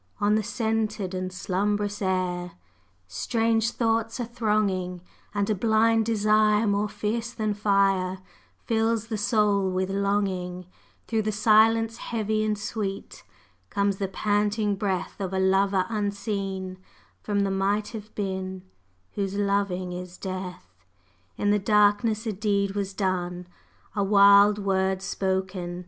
On the scented and slumbrous air, Strange thoughts are thronging; And a blind desire more fierce than fire Fills the soul with longing; Through the silence heavy and sweet Comes the panting breath Of a lover unseen from the Might Have Been, Whose loving is Death! In the darkness a deed was done, A wild word spoken!